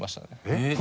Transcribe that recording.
えっ！